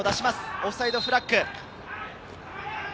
オフサイドフラッグ。